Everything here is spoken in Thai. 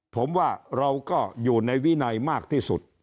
ผมว่าเราก็อยู่ในวินัยมากที่สุด